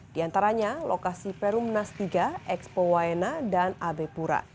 di antaranya lokasi perum nas tiga expo wayena dan abepura